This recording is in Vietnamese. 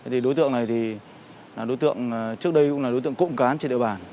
thì đối tượng này thì là đối tượng trước đây cũng là đối tượng cộng cán trên địa bàn